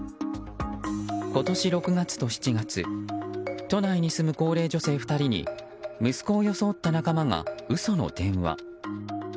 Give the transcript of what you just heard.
今年６月と７月都内に住む高齢女性２人に息子を装った仲間が嘘の電話。